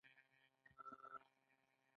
احساسات د کرامت د رعایت اساسي معیار دی.